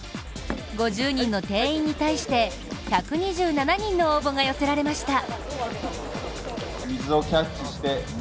５０人の定員に対して１２７人の応募が寄せられました。